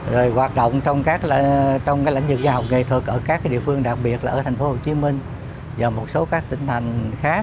rồi hoạt động trong các lãnh dựng nhà học nghệ thuật ở các địa phương đặc biệt là ở thành phố hồ chí minh và một số các tỉnh thành khác